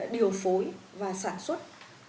điều phối và sản xuất